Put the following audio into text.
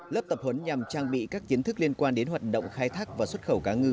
lớp tập huấn nhằm trang bị các kiến thức liên quan đến hoạt động khai thác và xuất khẩu cá ngư